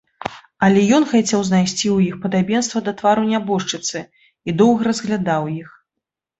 Але ён хацеў знайсці ў іх падабенства да твару нябожчыцы і доўга разглядаў іх.